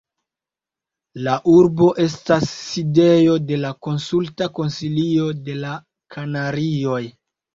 La urbo estas sidejo de la Konsulta Konsilio de la Kanarioj.